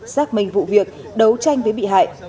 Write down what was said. xác minh vụ việc đấu tranh với bị hại